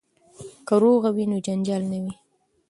که روغه وي نو جنجال نه وي.